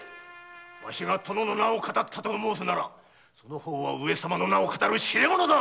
わしが殿の名を騙ったと申すならその方は上様の名を騙る痴れ者だ。